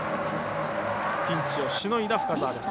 ピンチをしのいだ深沢です。